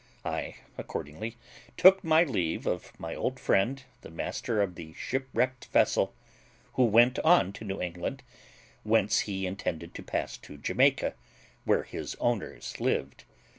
I accordingly took my leave of my old friend, the master of the shipwrecked vessel, who went on to New England, whence he intended to pass to Jamaica, where his owners lived.